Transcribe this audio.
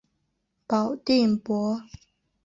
保定伯。